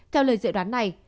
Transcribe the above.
theo lời dự đoán này